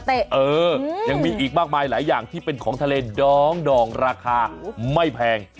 เออยังมีอีกมากมายหลายอย่างที่เป็นของทะเลน้องดองราคาไม่แพง